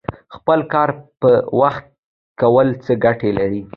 خپل کار په وخت کول څه ګټه لري؟